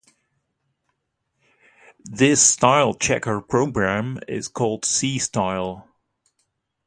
This style checker program is called cstyle.